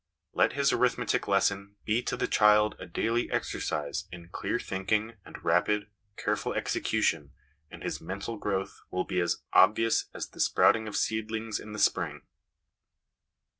Let his arithmetic lesson be to the child a daily exercise in clear thinking and rapid, careful execution, and his mental growth will be as obvious as the sprouting of seedlings in the spring.